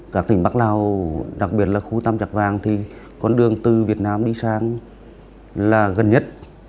các tỉnh bắc lào đặc biệt là khu tam trạc vàng thì con đường từ việt nam đi sang là gần nhất